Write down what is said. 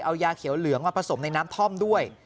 เอายาเขียวเหลืองมาผสมในน้ำท่อมด้วย